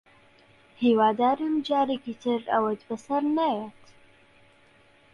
هیوادارم جارێکی تر ئەوەت بەسەر نەیەت